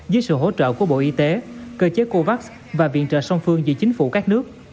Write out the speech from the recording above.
dưới sự hỗ trợ của bộ y tế cơ chế covax và viện trợ song phương giữa chính phủ các nước